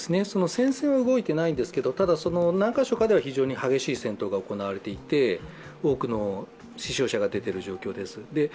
戦線は動いていないんですけどただ、何か所かでは非常に激しい戦闘が行われていて多くの死傷者が出ている状況です。